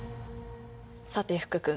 さて福君。